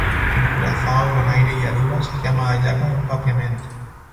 En Curazao, Bonaire y Aruba, se llama "ayaka" en papiamento.